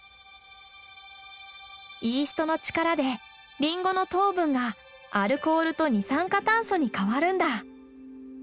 イーストの力でリンゴの糖分がアルコールと二酸化炭素に変わるんだ。